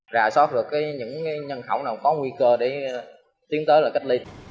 rà soát được những nhân khẩu nào có nguy cơ để tiến tới là cách ly